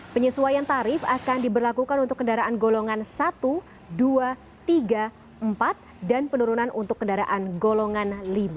penyesuaian tarif akan diberlakukan untuk kendaraan golongan satu dua tiga empat dan penurunan untuk kendaraan golongan lima